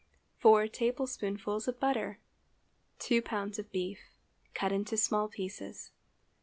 4 tablespoonfuls of butter. 2 lbs. of beef, cut into small pieces.